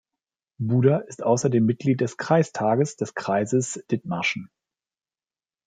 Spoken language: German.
Buder ist außerdem Mitglied des Kreistages des Kreises Dithmarschen.